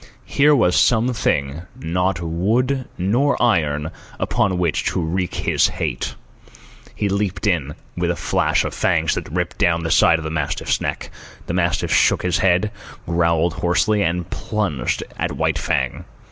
Here was some thing, not wood nor iron, upon which to wreak his hate. He leaped in with a flash of fangs that ripped down the side of the mastiff's neck. The mastiff shook his head, growled hoarsely, and plunged at White Fang.